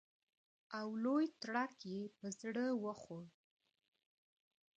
او لوی تړک یې په زړه وخوړ.